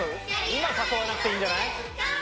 今誘わなくていいんじゃない？